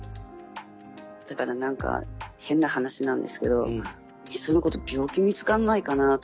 だから何か変な話なんですけどいっそのこと病気見つかんないかなとかって思って。